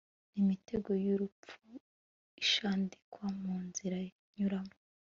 n'imitego y'urupfu ishandikwa mu nzira nyuramo